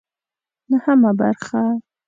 نهمه برخه